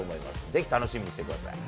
ぜひ楽しみにしてください。